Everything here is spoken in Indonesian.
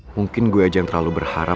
mungkin gue aja yang terlalu berharap